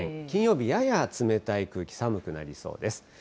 金曜日、やや冷たい空気、寒くなりそうです。